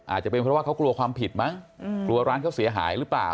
อาจจะเป็นเพราะว่าเขากลัวความผิดมั้งกลัวร้านเขาเสียหายหรือเปล่า